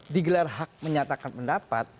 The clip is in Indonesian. dikelar hak menyatakan pendapat